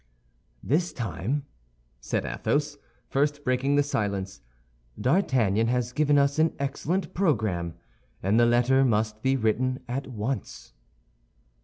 "This time," said Athos, first breaking the silence, "D'Artagnan has given us an excellent program, and the letter must be written at once."